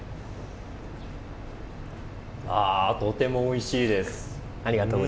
とてもおいしいです。